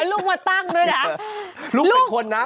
ลูกเป็นคนนะ